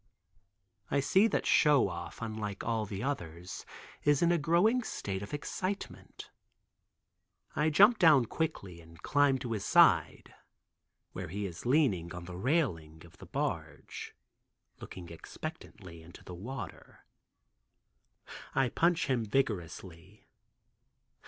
I see that Show Off, unlike all the others, is in a growing state of excitement. I jump down quickly and climb to his side, where he is leaning on the railing of the barge, looking expectantly into the water. I punch him vigorously.